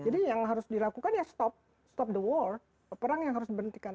jadi yang harus dilakukan ya stop stop the war perang yang harus diberhentikan